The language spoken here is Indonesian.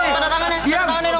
tanda tangannya tanda tangannya dong